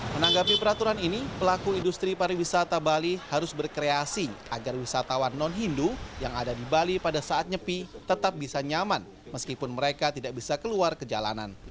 menanggapi peraturan ini pelaku industri pariwisata bali harus berkreasi agar wisatawan non hindu yang ada di bali pada saat nyepi tetap bisa nyaman meskipun mereka tidak bisa keluar ke jalanan